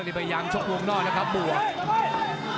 นี่พยายามชกวงนอกแล้วครับบวก